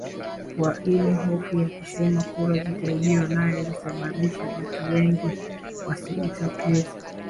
kwa ile hofu ya kusema kura zitaimbiwa nayo ilisababisha watu wengine wasijitokeze